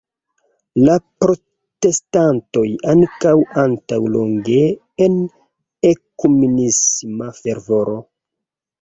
La protestantoj ankaŭ antaŭlonge en ekumenisma fervoro.